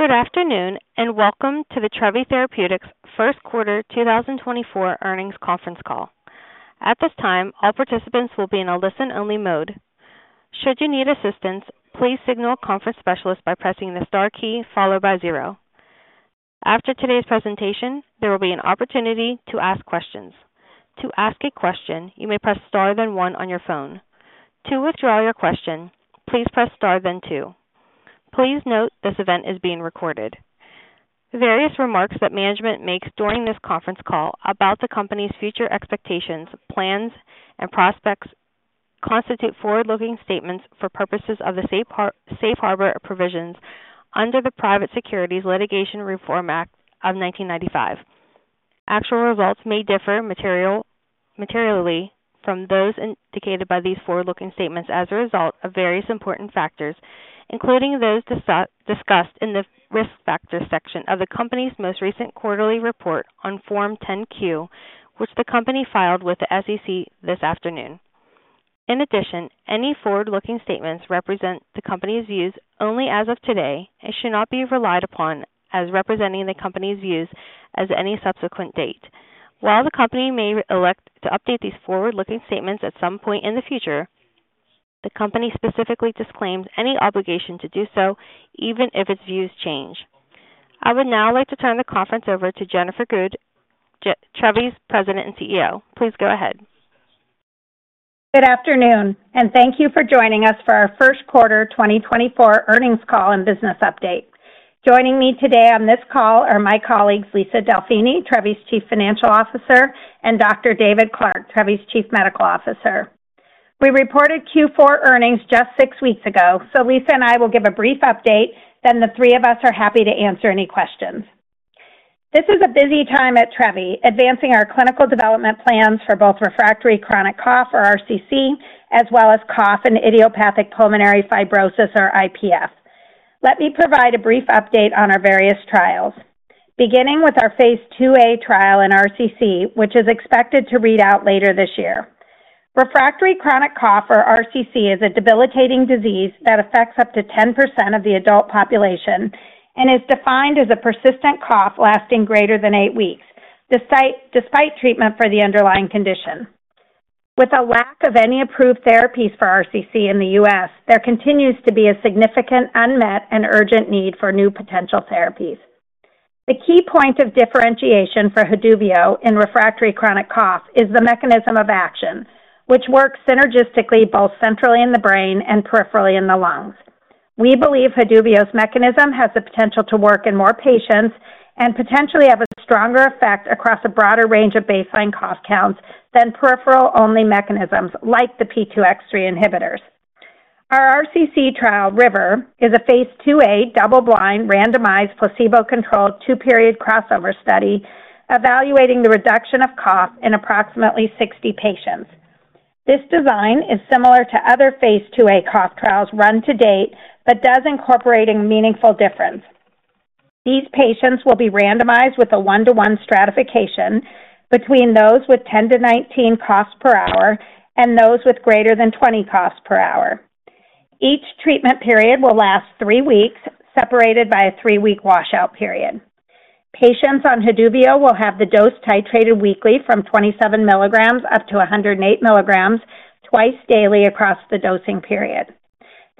Good afternoon and welcome to the Trevi Therapeutics first quarter 2024 earnings conference call. At this time, all participants will be in a listen-only mode. Should you need assistance, please signal a conference specialist by pressing the star key followed by 0. After today's presentation, there will be an opportunity to ask questions. To ask a question, you may press star then 1 on your phone. To withdraw your question, please press star then 2. Please note this event is being recorded. Various remarks that management makes during this conference call about the company's future expectations, plans, and prospects constitute forward-looking statements for purposes of the Safe Harbor provisions under the Private Securities Litigation Reform Act of 1995. Actual results may differ materially from those indicated by these forward-looking statements as a result of various important factors, including those discussed in the risk factors section of the company's most recent quarterly report on Form 10-Q, which the company filed with the SEC this afternoon. In addition, any forward-looking statements represent the company's views only as of today and should not be relied upon as representing the company's views as of any subsequent date. While the company may elect to update these forward-looking statements at some point in the future, the company specifically disclaims any obligation to do so, even if its views change. I would now like to turn the conference over to Jennifer Good, Trevi's President and CEO. Please go ahead. Good afternoon, and thank you for joining us for our first quarter 2024 earnings call and business update. Joining me today on this call are my colleagues Lisa Delfini, Trevi's Chief Financial Officer, and Dr. David Clark, Trevi's Chief Medical Officer. We reported Q4 earnings just six weeks ago, so Lisa and I will give a brief update, then the three of us are happy to answer any questions. This is a busy time at Trevi advancing our clinical development plans for both refractory chronic cough, or RCC, as well as cough and idiopathic pulmonary fibrosis, or IPF. Let me provide a brief update on our various trials, beginning with our phase II-A trial in RCC, which is expected to read out later this year. Refractory chronic cough, or RCC, is a debilitating disease that affects up to 10% of the adult population and is defined as a persistent cough lasting greater than eight weeks despite treatment for the underlying condition. With a lack of any approved therapies for RCC in the U.S., there continues to be a significant, unmet, and urgent need for new potential therapies. The key point of differentiation for Haduvio in refractory chronic cough is the mechanism of action, which works synergistically both centrally in the brain and peripherally in the lungs. We believe Haduvio's mechanism has the potential to work in more patients and potentially have a stronger effect across a broader range of baseline cough counts than peripheral-only mechanisms like the P2X3 inhibitors. Our RCC trial, RIVER, is a phase II-A double-blind randomized placebo-controlled two-period crossover study evaluating the reduction of cough in approximately 60 patients. This design is similar to other phase II-A cough trials run to date but does incorporate a meaningful difference. These patients will be randomized with a 1-to-1 stratification between those with 10-19 coughs per hour and those with greater than 20 coughs per hour. Each treatment period will last 3 weeks, separated by a 3-week washout period. Patients on Haduvio will have the dose titrated weekly from 27 milligrams up to 108 milligrams twice daily across the dosing period.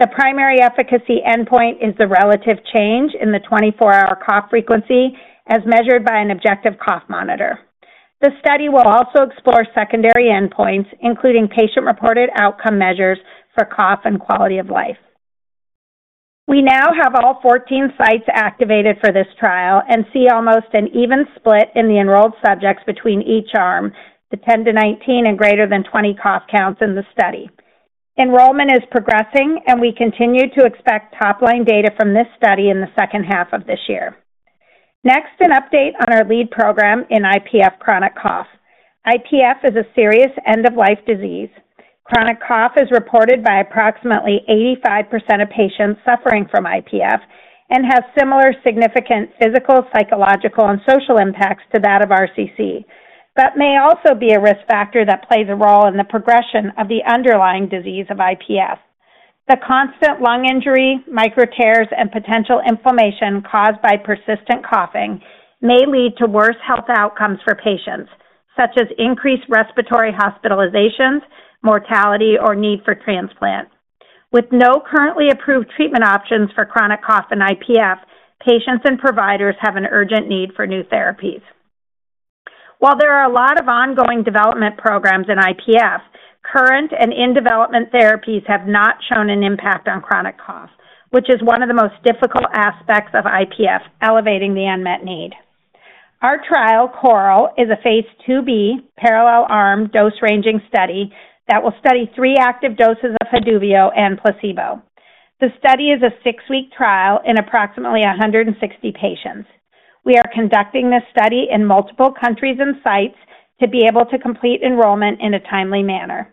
The primary efficacy endpoint is the relative change in the 24-hour cough frequency as measured by an objective cough monitor. The study will also explore secondary endpoints, including patient-reported outcome measures for cough and quality of life. We now have all 14 sites activated for this trial and see almost an even split in the enrolled subjects between each arm, the 10-19 and greater than 20 cough counts in the study. Enrollment is progressing, and we continue to expect top-line data from this study in the second half of this year. Next, an update on our lead program in IPF chronic cough. IPF is a serious end-of-life disease. Chronic cough is reported by approximately 85% of patients suffering from IPF and has similar significant physical, psychological, and social impacts to that of RCC but may also be a risk factor that plays a role in the progression of the underlying disease of IPF. The constant lung injury, micro-tears, and potential inflammation caused by persistent coughing may lead to worse health outcomes for patients, such as increased respiratory hospitalizations, mortality, or need for transplant. With no currently approved treatment options for chronic cough in IPF, patients and providers have an urgent need for new therapies. While there are a lot of ongoing development programs in IPF, current and in-development therapies have not shown an impact on chronic cough, which is one of the most difficult aspects of IPF, elevating the unmet need. Our trial, CORAL, is a phase II-B parallel-arm dose-ranging study that will study three active doses of Haduvio and placebo. The study is a six-week trial in approximately 160 patients. We are conducting this study in multiple countries and sites to be able to complete enrollment in a timely manner.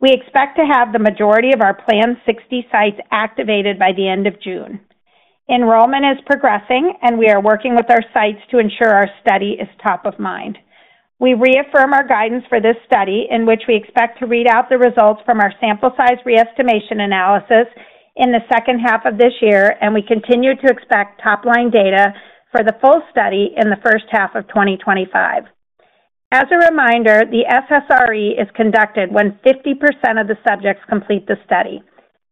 We expect to have the majority of our planned 60 sites activated by the end of June. Enrollment is progressing, and we are working with our sites to ensure our study is top of mind. We reaffirm our guidance for this study, in which we expect to read out the results from our sample-size reestimation analysis in the second half of this year, and we continue to expect top-line data for the full study in the first half of 2025. As a reminder, the SSRE is conducted when 50% of the subjects complete the study.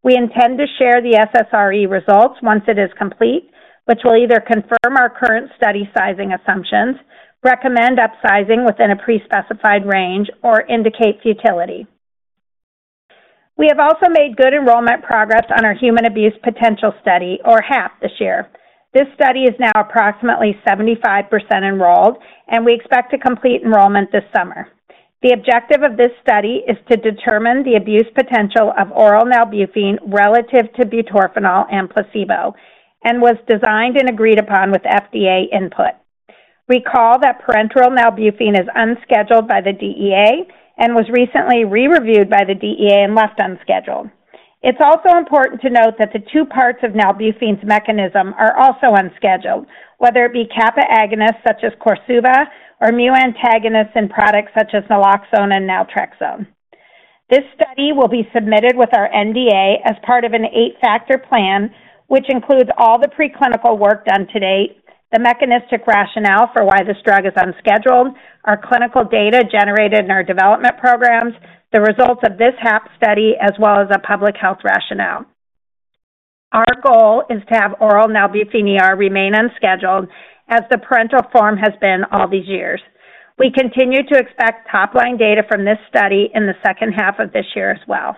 We intend to share the SSRE results once it is complete, which will either confirm our current study sizing assumptions, recommend upsizing within a pre-specified range, or indicate futility. We have also made good enrollment progress on our human abuse potential study, or HAP, this year. This study is now approximately 75% enrolled, and we expect to complete enrollment this summer. The objective of this study is to determine the abuse potential of oral nalbuphine relative to butorphanol and placebo and was designed and agreed upon with FDA input. Recall that parenteral nalbuphine is unscheduled by the DEA and was recently re-reviewed by the DEA and left unscheduled. It's also important to note that the two parts of nalbuphine's mechanism are also unscheduled, whether it be kappa agonists such as Korsuva or mu antagonists in products such as naloxone and naltrexone. This study will be submitted with our NDA as part of an eight-factor plan, which includes all the preclinical work done to date, the mechanistic rationale for why this drug is unscheduled, our clinical data generated in our development programs, the results of this HAP study, as well as a public health rationale. Our goal is to have oral nalbuphine remain unscheduled, as the parenteral form has been all these years. We continue to expect top-line data from this study in the second half of this year as well.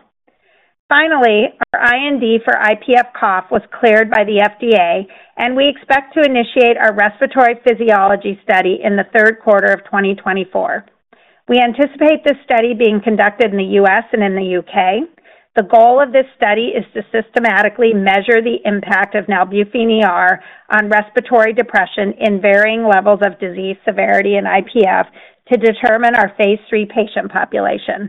Finally, our IND for IPF cough was cleared by the FDA, and we expect to initiate our respiratory physiology study in the third quarter of 2024. We anticipate this study being conducted in the U.S. and in the U.K. The goal of this study is to systematically measure the impact of nalbuphine on respiratory depression in varying levels of disease severity and IPF to determine our phase III patient population.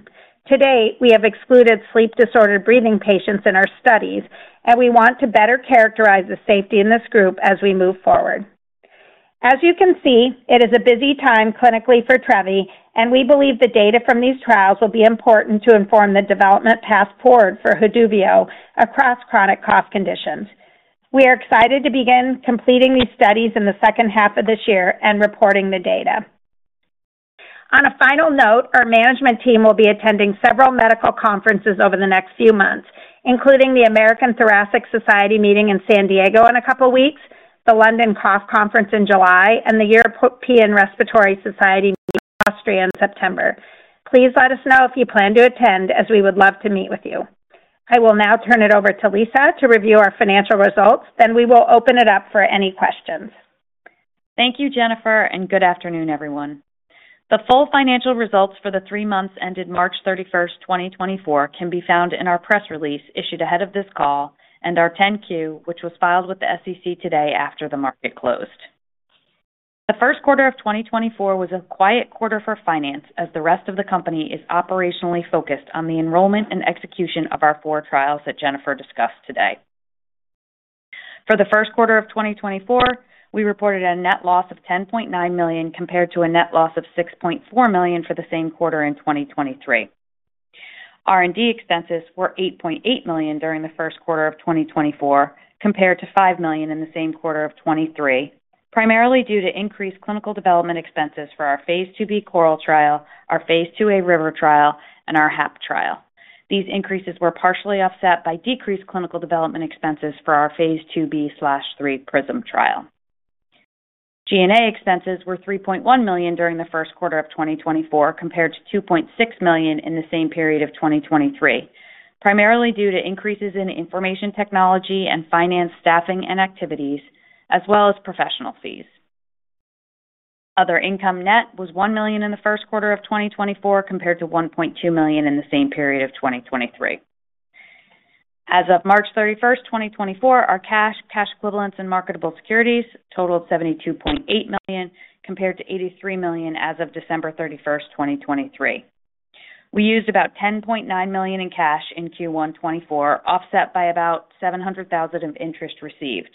Today, we have excluded sleep-disordered breathing patients in our studies, and we want to better characterize the safety in this group as we move forward. As you can see, it is a busy time clinically for Trevi, and we believe the data from these trials will be important to inform the development path forward for Haduvio across chronic cough conditions. We are excited to begin completing these studies in the second half of this year and reporting the data. On a final note, our management team will be attending several medical conferences over the next few months, including the American Thoracic Society meeting in San Diego in a couple of weeks, the London Cough Conference in July, and the European Respiratory Society meeting in Austria in September. Please let us know if you plan to attend, as we would love to meet with you. I will now turn it over to Lisa to review our financial results, then we will open it up for any questions. Thank you, Jennifer, and good afternoon, everyone. The full financial results for the three months ended March 31st, 2024, can be found in our press release issued ahead of this call and our 10-Q, which was filed with the SEC today after the market closed. The first quarter of 2024 was a quiet quarter for finance, as the rest of the company is operationally focused on the enrollment and execution of our four trials that Jennifer discussed today. For the first quarter of 2024, we reported a net loss of $10.9 million compared to a net loss of $6.4 million for the same quarter in 2023. R&D expenses were $8.8 million during the first quarter of 2024 compared to $5 million in the same quarter of 2023, primarily due to increased clinical development expenses for our phase II-B CORAL trial, our phase II-A RIVER trial, and our HAP trial. These increases were partially offset by decreased clinical development expenses for our phase II-B/III PRISM trial. G&A expenses were $3.1 million during the first quarter of 2024 compared to $2.6 million in the same period of 2023, primarily due to increases in information technology and finance staffing and activities, as well as professional fees. Other income, net was $1 million in the first quarter of 2024 compared to $1.2 million in the same period of 2023. As of March 31st, 2024, our cash, cash equivalents, and marketable securities totaled $72.8 million compared to $83 million as of December 31st, 2023. We used about $10.9 million in cash in Q1 2024, offset by about $700,000 of interest received.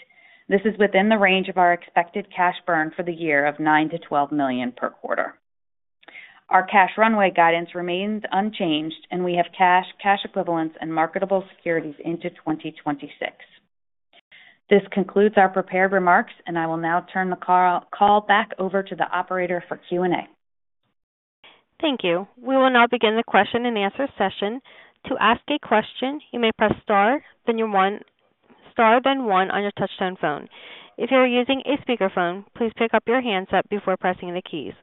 This is within the range of our expected cash burn for the year of $9 million-$12 million per quarter. Our cash runway guidance remains unchanged, and we have cash, cash equivalents, and marketable securities into 2026. This concludes our prepared remarks, and I will now turn the call back over to the operator for Q&A. Thank you. We will now begin the question and answer session. To ask a question, you may press star, then 1 on your touch-tone phone. If you are using a speakerphone, please pick up your handset before pressing the keys.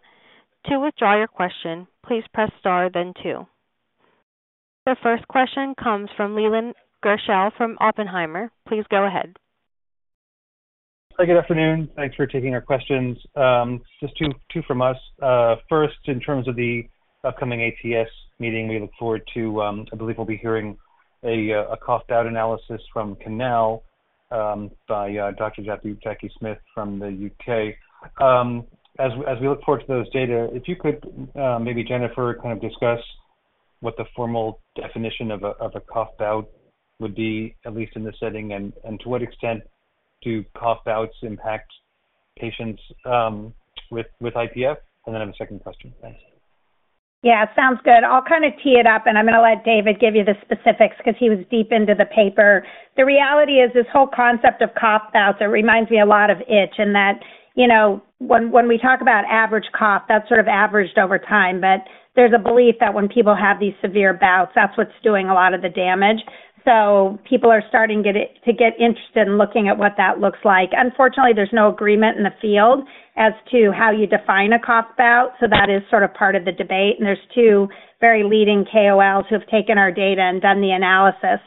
To withdraw your question, please press star, then 2. The first question comes from Leland Gershell from Oppenheimer. Please go ahead. Hi, good afternoon. Thanks for taking our questions. Just two from us. First, in terms of the upcoming ATS meeting, we look forward to. I believe we'll be hearing a cough bout analysis from CANAL by Dr. Jacky Smith from the UK. As we look forward to those data, if you could maybe, Jennifer, kind of discuss what the formal definition of a cough bout would be, at least in this setting, and to what extent do cough bouts impact patients with IPF? And then I have a second question. Thanks. Yeah, sounds good. I'll kind of tee it up, and I'm going to let David give you the specifics because he was deep into the paper. The reality is this whole concept of cough bouts, it reminds me a lot of itch, in that when we talk about average cough, that's sort of averaged over time, but there's a belief that when people have these severe bouts, that's what's doing a lot of the damage. People are starting to get interested in looking at what that looks like. Unfortunately, there's no agreement in the field as to how you define a cough bout, so that is sort of part of the debate. There's two very leading KOLs who have taken our data and done the analysis.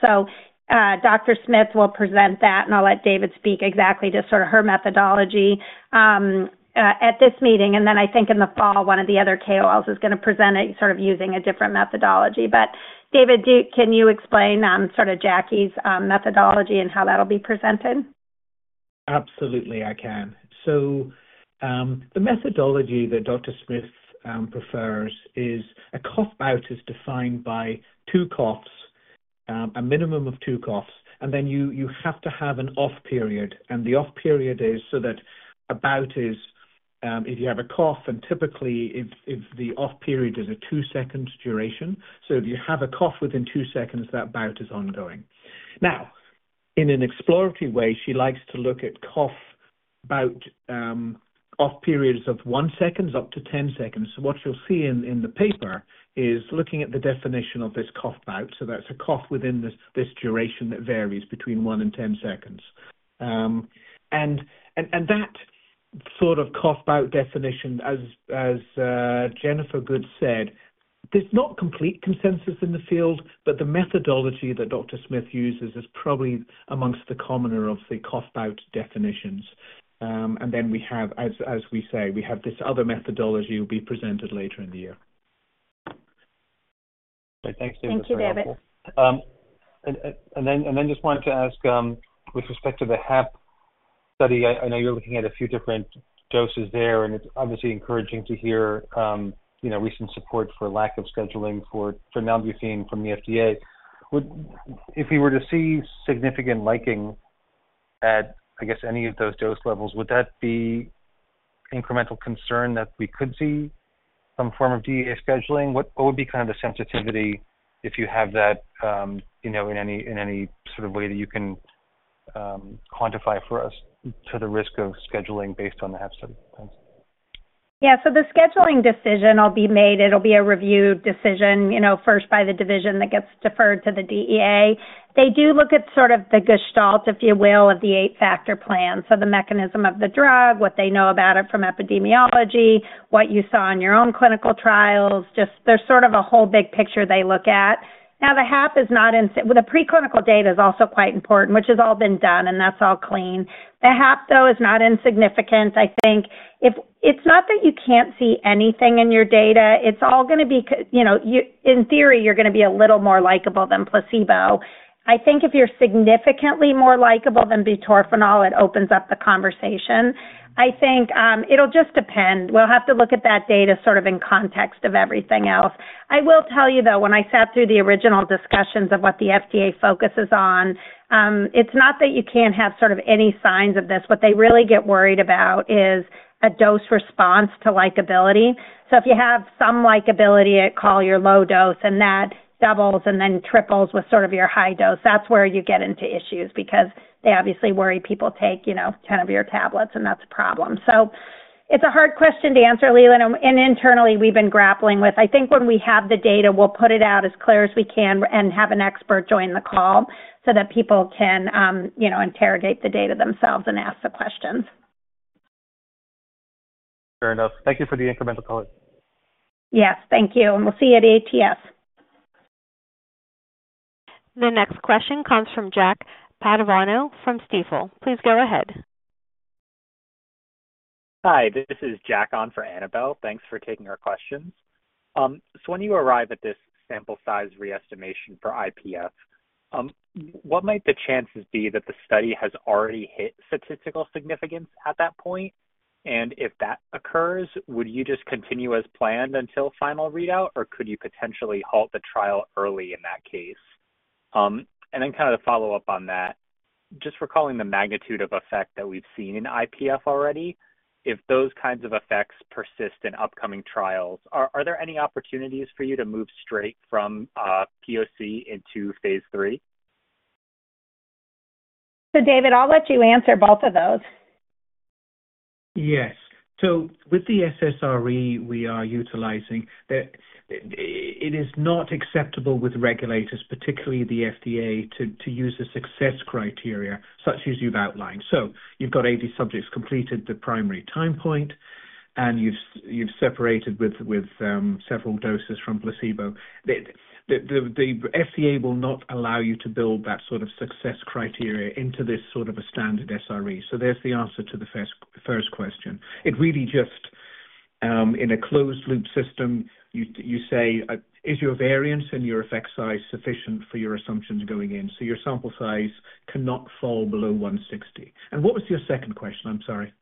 Dr. Smith will present that, and I'll let David speak exactly to sort of her methodology at this meeting. Then I think in the fall, one of the other KOLs is going to present it sort of using a different methodology. But David, can you explain sort of Jacky's methodology and how that'll be presented? Absolutely, I can. So the methodology that Dr. Smith prefers is a cough bout is defined by two coughs, a minimum of two coughs, and then you have to have an off period. And the off period is so that a bout is if you have a cough, and typically if the off period is a two-second duration, so if you have a cough within two seconds, that bout is ongoing. Now, in an exploratory way, she likes to look at cough bout off periods of one second up to 10 seconds. So what you'll see in the paper is looking at the definition of this cough bout. So that's a cough within this duration that varies between one and 10 seconds. And that sort of cough bout definition, as Jennifer Good said, there's not complete consensus in the field, but the methodology that Dr. Smith uses is probably among the commoner of the cough bout definitions. And then we have, as we say, we have this other methodology will be presented later in the year. Okay. Thanks, David. Thank you, David. And then just wanted to ask, with respect to the HAP study, I know you're looking at a few different doses there, and it's obviously encouraging to hear recent support for lack of scheduling for nalbuphine from the FDA. If we were to see significant liking at, I guess, any of those dose levels, would that be incremental concern that we could see some form of DEA scheduling? What would be kind of the sensitivity if you have that in any sort of way that you can quantify for us to the risk of scheduling based on the HAP study? Thanks. Yeah. So the scheduling decision will be made. It'll be a reviewed decision first by the division that gets deferred to the DEA. They do look at sort of the gestalt, if you will, of the eight-factor plan. So the mechanism of the drug, what they know about it from epidemiology, what you saw in your own clinical trials. There's sort of a whole big picture they look at. Now, the HAP is not in the preclinical data is also quite important, which has all been done, and that's all clean. The HAP, though, is not insignificant, I think. It's not that you can't see anything in your data. It's all going to be, in theory, you're going to be a little more likable than placebo. I think if you're significantly more likable than butorphanol, it opens up the conversation. I think it'll just depend. We'll have to look at that data sort of in context of everything else. I will tell you, though, when I sat through the original discussions of what the FDA focuses on, it's not that you can't have sort of any signs of this. What they really get worried about is a dose response to likability. So if you have some likability, it'll call your low dose, and that doubles and then triples with sort of your high dose. That's where you get into issues because they obviously worry people take 10 of your tablets, and that's a problem. So it's a hard question to answer, Leland, and internally, we've been grappling with. I think when we have the data, we'll put it out as clear as we can and have an expert join the call so that people can interrogate the data themselves and ask the questions. Fair enough. Thank you for the incremental color. Yes, thank you. And we'll see you at ATS. The next question comes from Jack Padovano from Stifel. Please go ahead. Hi, this is Jack on for Annabel. Thanks for taking our questions. So when you arrive at this sample size reestimation for IPF, what might the chances be that the study has already hit statistical significance at that point? And if that occurs, would you just continue as planned until final readout, or could you potentially halt the trial early in that case? And then kind of to follow up on that, just recalling the magnitude of effect that we've seen in IPF already, if those kinds of effects persist in upcoming trials, are there any opportunities for you to move straight from POC into phase III? So David, I'll let you answer both of those. Yes. So with the SSRE we are utilizing, it is not acceptable with regulators, particularly the FDA, to use a success criteria such as you've outlined. So you've got 80 subjects completed the primary time point, and you've separated with several doses from placebo. The FDA will not allow you to build that sort of success criteria into this sort of a standard SRE. So there's the answer to the first question. It really just, in a closed-loop system, you say, "Is your variance and your effect size sufficient for your assumptions going in?" So your sample size cannot fall below 160. And what was your second question? I'm sorry.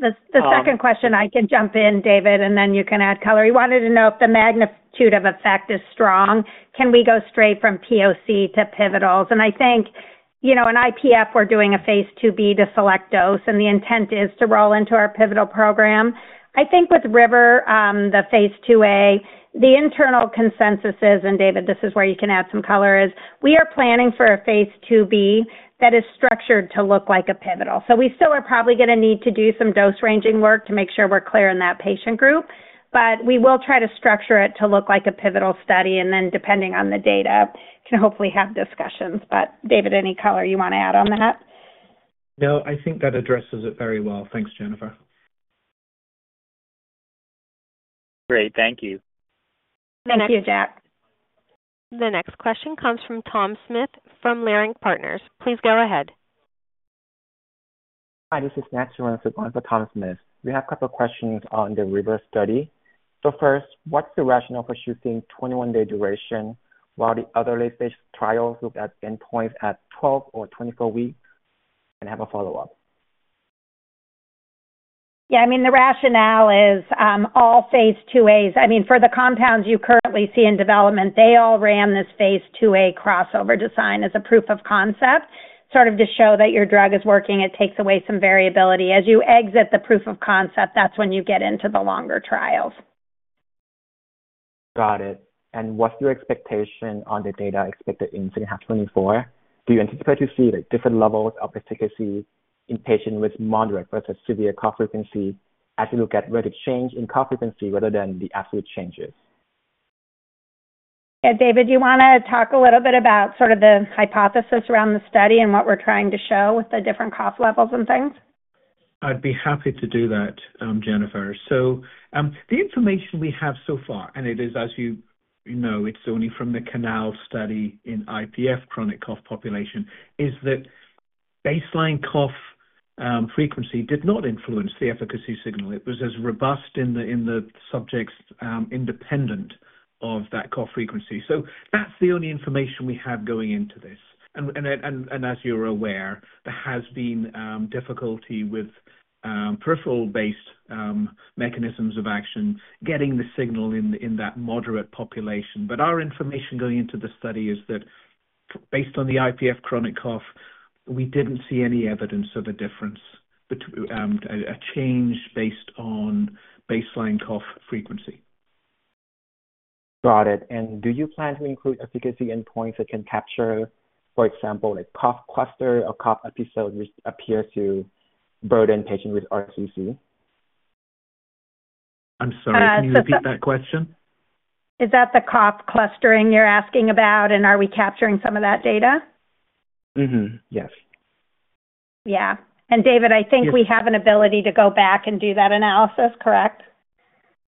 The second question, I can jump in, David, and then you can add color. He wanted to know if the magnitude of effect is strong. Can we go straight from POC to pivotal? I think in IPF, we're doing a phase II-B to select dose, and the intent is to roll into our pivotal program. I think with RIVER, the phase II-A, the internal consensus is, and David, this is where you can add some color, is we are planning for a phase II-B that is structured to look like a pivotal. So we still are probably going to need to do some dose ranging work to make sure we're clear in that patient group, but we will try to structure it to look like a pivotal study, and then depending on the data, can hopefully have discussions. David, any color you want to add on that? No, I think that addresses it very well. Thanks, Jennifer. Great. Thank you. Thank you, Jack. The next question comes from Tom Smith from Leerink Partners. Please go ahead. Hi, this is Roanna Ruiz for Tom Smith. We have a couple of questions on the RIVER study. First, what's the rationale for choosing 21-day duration while the other late-stage trials look at endpoints at 12 or 24 weeks? And I have a follow-up. Yeah, I mean, the rationale is all phase II-As. I mean, for the compounds you currently see in development, they all ran this phase II-A crossover design as a proof of concept, sort of to show that your drug is working. It takes away some variability. As you exit the proof of concept, that's when you get into the longer trials. Got it. And what's your expectation on the data expected in 2024? Do you anticipate to see different levels of efficacy in patients with moderate versus severe cough frequency as you look at rate of change in cough frequency rather than the absolute changes? Yeah, David, do you want to talk a little bit about sort of the hypothesis around the study and what we're trying to show with the different cough levels and things? I'd be happy to do that, Jennifer. So the information we have so far, and it is, as you know, it's only from the CANAL study in IPF chronic cough population, is that baseline cough frequency did not influence the efficacy signal. It was as robust in the subjects independent of that cough frequency. So that's the only information we have going into this. And as you're aware, there has been difficulty with peripheral-based mechanisms of action getting the signal in that moderate population. But our information going into the study is that based on the IPF chronic cough, we didn't see any evidence of a difference, a change based on baseline cough frequency. Got it. Do you plan to include efficacy endpoints that can capture, for example, a cough cluster or cough episode which appears to burden patients with RCC? I'm sorry. Can you repeat that question? Is that the cough clustering you're asking about, and are we capturing some of that data? Yes. Yeah. And David, I think we have an ability to go back and do that analysis, correct?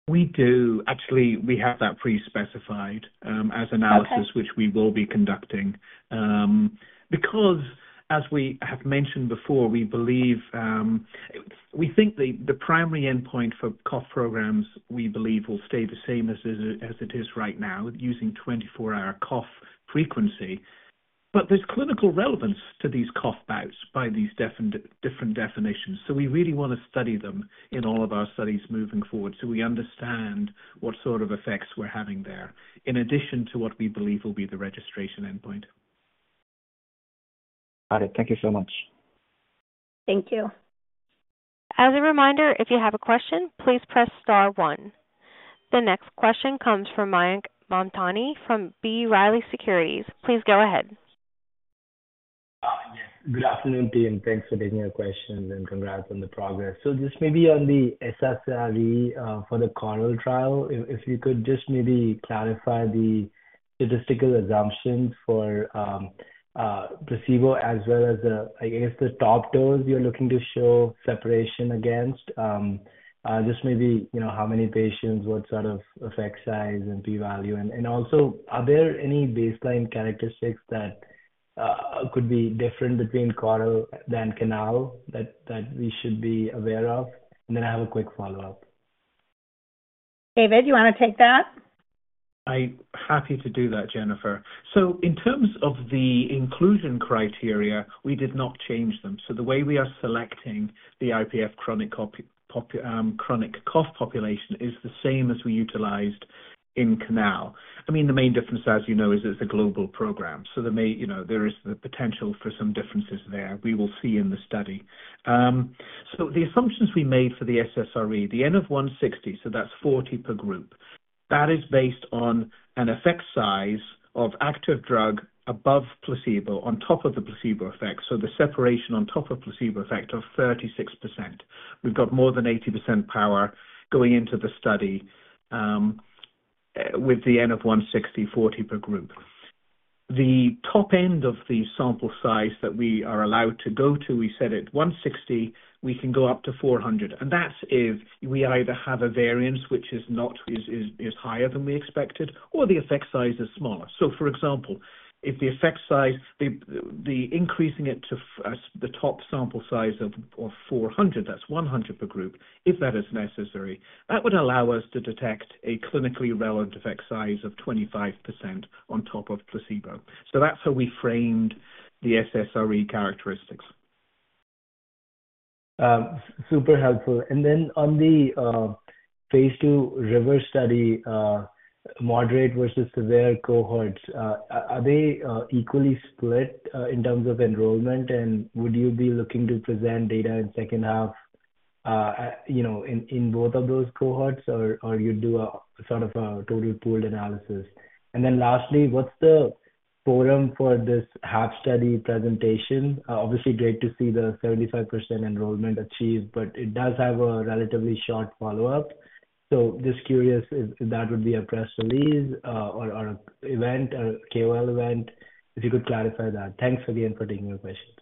We do. Actually, we have that pre-specified as analysis, which we will be conducting. Because, as we have mentioned before, we think the primary endpoint for cough programs, we believe, will stay the same as it is right now, using 24-hour cough frequency. But there's clinical relevance to these cough bouts by these different definitions. So we really want to study them in all of our studies moving forward so we understand what sort of effects we're having there, in addition to what we believe will be the registration endpoint. Got it. Thank you so much. Thank you. As a reminder, if you have a question, please press star one. The next question comes from Mayank Mamtani from B. Riley Securities. Please go ahead. Yes. Good afternoon, Jen. Thanks for taking your questions, and congrats on the progress. So just maybe on the SSRE for the CORAL trial, if you could just maybe clarify the statistical assumptions for placebo as well as, I guess, the top dose you're looking to show separation against. Just maybe how many patients, what sort of effect size and p-value. And also, are there any baseline characteristics that could be different between CORAL than CANAL that we should be aware of? And then I have a quick follow-up. David, do you want to take that? I'm happy to do that, Jennifer. So in terms of the inclusion criteria, we did not change them. So the way we are selecting the IPF chronic cough population is the same as we utilized in CANAL. I mean, the main difference, as you know, is it's a global program. So there is the potential for some differences there. We will see in the study. So the assumptions we made for the SSRE, the N of 160, so that's 40 per group, that is based on an effect size of active drug above placebo, on top of the placebo effect. So the separation on top of placebo effect of 36%. We've got more than 80% power going into the study with the N of 160, 40 per group. The top end of the sample size that we are allowed to go to, we set at 160. We can go up to 400. That's if we either have a variance which is higher than we expected or the effect size is smaller. For example, if the effect size, increasing it to the top sample size of 400, that's 100 per group, if that is necessary, that would allow us to detect a clinically relevant effect size of 25% on top of placebo. That's how we framed the SSRE characteristics. Super helpful. And then on the phase II RIVER study, moderate versus severe cohorts, are they equally split in terms of enrollment? And would you be looking to present data in second half in both of those cohorts, or you'd do sort of a total pooled analysis? And then lastly, what's the forum for this HAP study presentation? Obviously, great to see the 75% enrollment achieved, but it does have a relatively short follow-up. So just curious if that would be a press release or an event, a KOL event, if you could clarify that. Thanks again for taking your questions.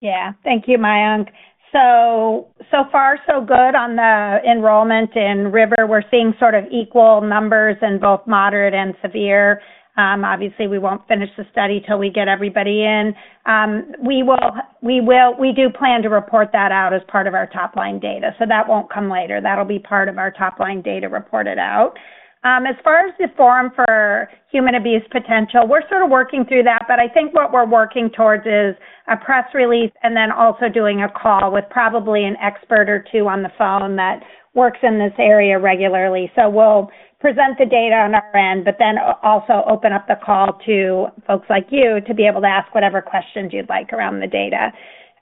Yeah. Thank you, Mayank. So far, so good on the enrollment in RIVER. We're seeing sort of equal numbers in both moderate and severe. Obviously, we won't finish the study till we get everybody in. We do plan to report that out as part of our top-line data. So that won't come later. That'll be part of our top-line data reported out. As far as the forum for human abuse potential, we're sort of working through that, but I think what we're working towards is a press release and then also doing a call with probably an expert or two on the phone that works in this area regularly. So we'll present the data on our end, but then also open up the call to folks like you to be able to ask whatever questions you'd like around the data.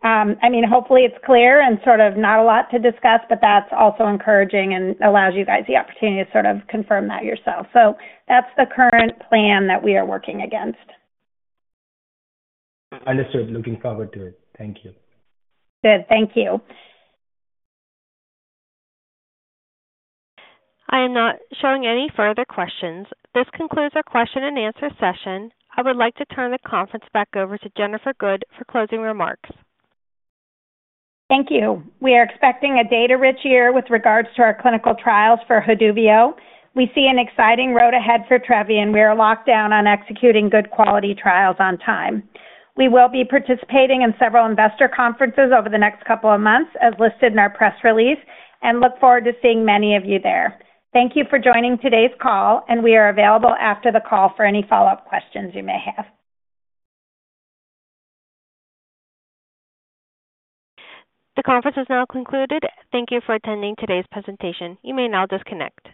I mean, hopefully, it's clear and sort of not a lot to discuss, but that's also encouraging and allows you guys the opportunity to sort of confirm that yourself. That's the current plan that we are working against. Understood. Looking forward to it. Thank you. Good. Thank you. I am not showing any further questions. This concludes our question-and-answer session. I would like to turn the conference back over to Jennifer Good for closing remarks. Thank you. We are expecting a data-rich year with regards to our clinical trials for Haduvio. We see an exciting road ahead for Trevi and we are locked down on executing good-quality trials on time. We will be participating in several investor conferences over the next couple of months as listed in our press release and look forward to seeing many of you there. Thank you for joining today's call, and we are available after the call for any follow-up questions you may have. The conference has now concluded. Thank you for attending today's presentation. You may now disconnect.